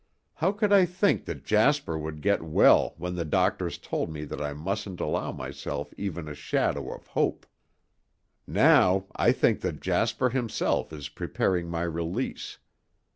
How could I think that Jasper would get well when the doctors told me that I mustn't allow myself even a shadow of hope! Now, I think that Jasper, himself, is preparing my release.